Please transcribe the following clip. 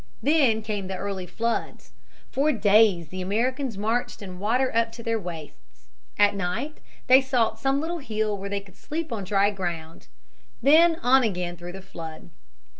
Then came the early floods. For days the Americans marched in water up to their waists. At night they sought some little hill where they could sleep on dry ground. Then on again through the flood.